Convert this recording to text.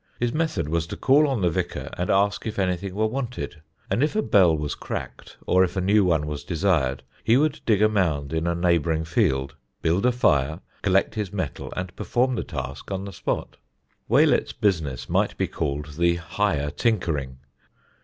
His method was to call on the vicar and ask if anything were wanted; and if a bell was cracked, or if a new one was desired, he would dig a mould in a neighbouring field, build a fire, collect his metal and perform the task on the spot. Waylett's business might be called the higher tinkering.